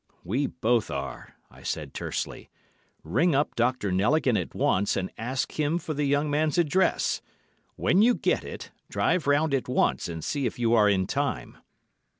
'We both are,' I said tersely. 'Ring up Dr. Knelligan at once, and ask him for the young man's address. When you get it, drive round at once and see if you are in time.